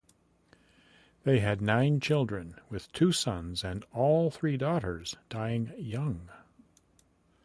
They had nine children with two sons and all three daughters dying young.